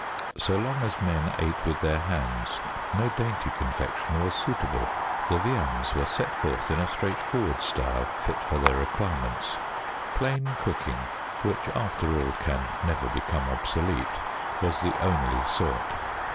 So long as men ate with their hands no dainty confection was suitable; the viands were set forth in a straightforward style fit for their requirements. " Plain cooking," which, after all, can never become obsolete, was the only sort.